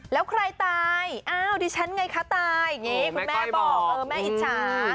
แล้วใครตายอ้าวดิฉันไงคะตายอย่างนี้คุณแม่บอกเออแม่อิจฉา